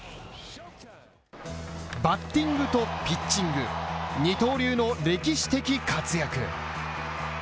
バッティングとピッチング二刀流の歴史的活躍。